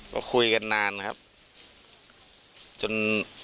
ก็คุยกันนานครับจน